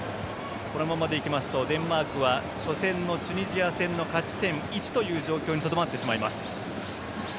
このままでいきますとデンマークは初戦のチュニジア戦の勝ち点１という状況にとどまってしまいます。